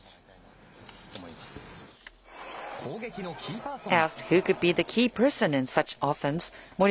攻撃のキーパーソンは。